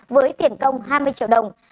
với tiền công hai mươi triệu đồng